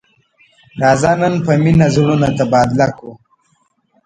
راځه نن په مینه زړونه تبادله کړو.